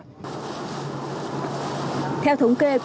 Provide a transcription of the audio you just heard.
theo thống kê chúng tôi đã tránh bão